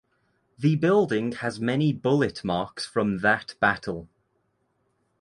The building has many bullet marks from that battle.